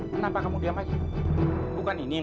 kenapa kamu diam aja bukan ini yang